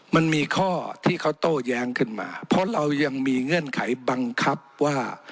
มันมีข้อที่เขาโต้แย้งขึ้นมาเพราะเรายังมีเงื่อนไขบังคับว่า